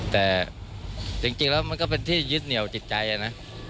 แต่จริงแล้วมันก็เป็นที่ยึดเหนียวจิตใจนะ